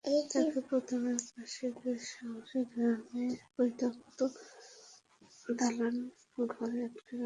তাকে প্রথমে পাশের সংহাই গ্রামের একটি পরিত্যক্ত দালান ঘরে আটক রাখা হয়।